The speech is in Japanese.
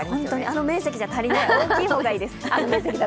あの面積じゃ足りない大きい方がいいです。